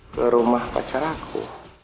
ke rumah pacar aku